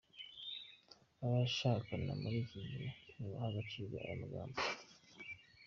Abashakana muri iki gihe ntibaha agaciro aya magambo.